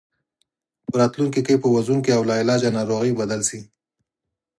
په راتلونکي کې په وژونکي او لاعلاجه ناروغۍ بدل شي.